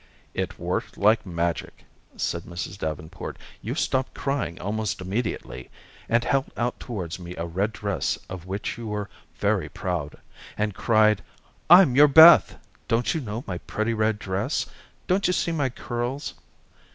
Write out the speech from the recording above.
"It worked like magic," said Mrs. Davenport. "You stopped crying almost immediately, and held out towards me a red dress of which you were very proud, and cried, 'I'm your Beth. Don't you know my pretty red dress? Don't you see my curls?'"